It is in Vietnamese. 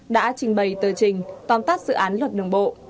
đã trình bày tờ trình tóm tắt dự án luật đường bộ